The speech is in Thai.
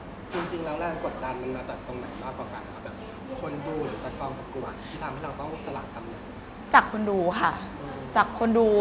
จริงแล้วแรงกดดันมันมาจากตรงแบบคนดูหรือจากกองก็กลัว